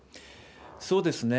そうですね。